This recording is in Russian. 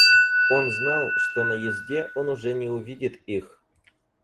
Он знал, что на езде он уже не увидит их.